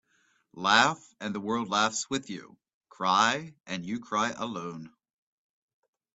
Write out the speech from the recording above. Laugh and the world laughs with you. Cry and you cry alone.